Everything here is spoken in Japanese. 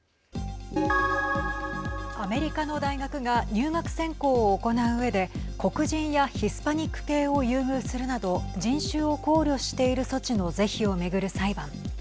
アメリカの大学が入学選考を行ううえで黒人やヒスパニック系を優遇するなど人種を考慮している措置の是非を巡る裁判。